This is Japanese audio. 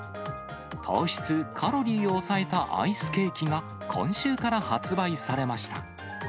糖質、カロリーを抑えたアイスケーキが、今週から発売されました。